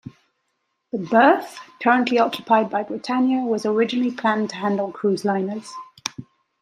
The berth currently occupied by Britannia was originally planned to handle cruise liners.